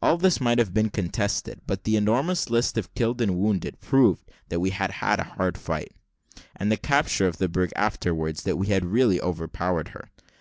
All this might have been contested; but the enormous list of killed and wounded proved that we had had a hard fight, and the capture of the brig afterwards, that we had really overpowered her.